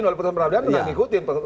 walaupun peradaban juga diikuti